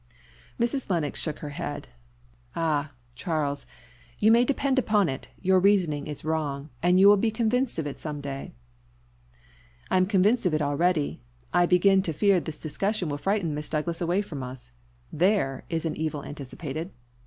Mrs. Lennox shook her head. "Ah! Charles, you may depend upon it your reasoning is wrong, and you will be convinced of it some day." "I am convinced of it already. I begin to fear this discussion will frighten Miss Douglas away from us. There is an evil anticipated!